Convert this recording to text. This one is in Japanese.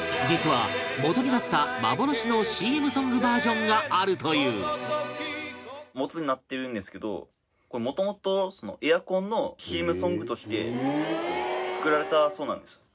実は、元になった幻のＣＭソングバージョンがあるというボツになってるんですけどこれ、もともとエアコンのＣＭソングとして作られたそうなんです。